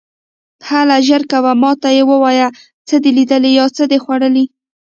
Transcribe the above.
هله ژر کوه، ما ته یې ووایه، څه دې لیدلي یا څه دې خوړلي.